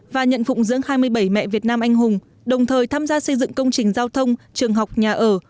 và nhận phụng dưỡng hai mươi bảy mẹ việt nam anh hùng đồng thời tham gia xây dựng công trình giao thông trường học nhà ở